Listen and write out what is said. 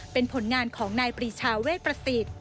เป็นผลงานของนายปรีชาเวทประสิทธิ์